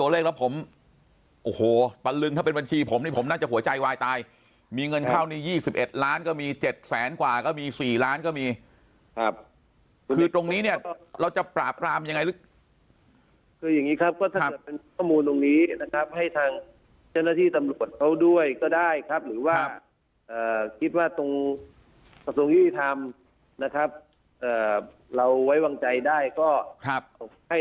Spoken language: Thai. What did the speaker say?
ว่าคิดว่าตรงส่วนที่ทำนะครับเราไว้วางใจได้ก็ครับให้